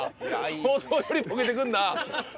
想像よりボケてくんな。